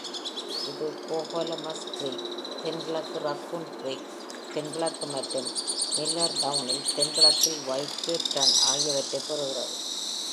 இது Cocolamus Creek தென்கிழக்கு, Raccoon Creek தென்கிழக்கு மற்றும் மில்லர்ஸ்டவுனின் தென்கிழக்கில் வைல்ட் கேட் ரன் ஆகியவற்றைப் பெறுகிறது.